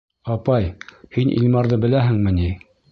Апай, һин Илмарҙы беләһеңме ни?